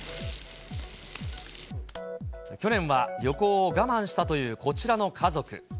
去年は旅行を我慢したというこちらの家族。